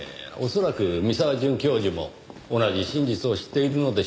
恐らく三沢准教授も同じ真実を知っているのでしょう。